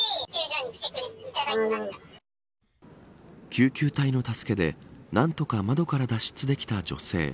救急隊の助けで何とか窓から脱出できた女性。